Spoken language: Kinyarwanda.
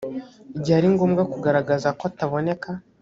igihe ari ngombwa kugaragaza ko ataboneka